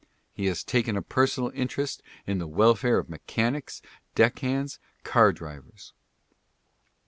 He has taken a personal interest in the welfare of mechanics, deck hands, car drivers.